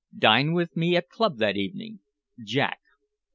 Dine with me at club that evening_ Jack."